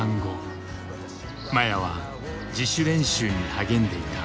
麻也は自主練習に励んでいた。